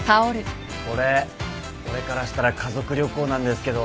これ俺からしたら家族旅行なんですけど。